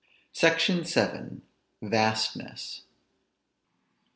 SECTION VII. VASTNESS.